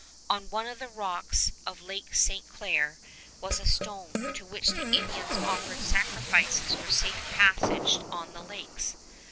On one of the rocks of Lake Ste. Claire was a stone, to which the Indians offered sacrifices for safe passage on the lakes.